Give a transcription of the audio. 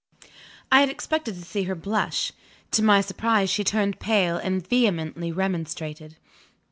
I had expected to see her blush. To my surprise she turned pale, and vehemently remonstrated.